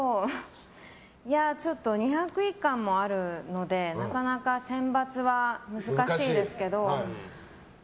２０１巻もあるのでなかなか選抜は難しいですけど。